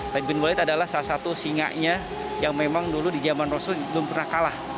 tapi bin wahid adalah salah satu singanya yang memang dulu di zaman rasul belum pernah kalah